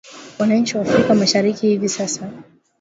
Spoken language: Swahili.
Wananchi wa Afrika Mashariki hivi sasa